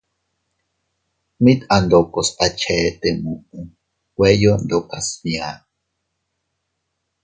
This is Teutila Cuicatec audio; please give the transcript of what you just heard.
Mit andokos a chete muʼu nweyo ndokas bia.